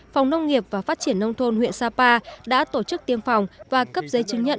phòng nông nghiệp và phát triển nông thôn huyện sapa đã tổ chức tiêm phòng và cấp giấy chứng nhận